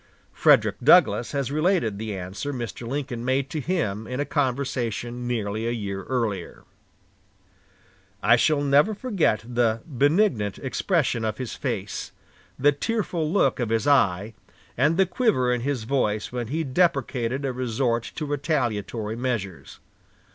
Frederick Douglass has related the answer Mr. Lincoln made to him in a conversation nearly a year earlier: "I shall never forget the benignant expression of his face, the tearful look of his eye, and the quiver in his voice when he deprecated a resort to retaliatory measures.